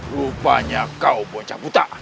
rupanya kau bocah buta